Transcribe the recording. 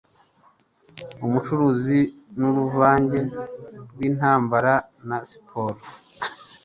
Ubucuruzi nuruvange rwintambara na siporo.